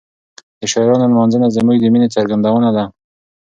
د شاعرانو لمانځنه زموږ د مینې څرګندونه ده.